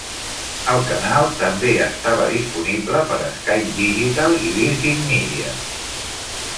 El canal també estava disponible per Sky Digital i Virgin Media.